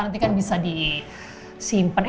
nanti kan bisa disimpen